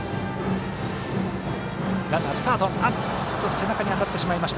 背中に当たってしまいました。